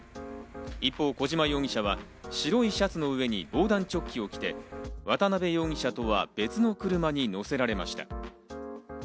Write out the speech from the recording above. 一方、小島容疑者は白いシャツの上に防弾チョッキを着て、渡辺容疑者とは別の車に乗せられました。